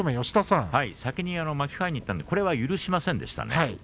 先に巻き替えにいったんですがこれは許しませんでしたね。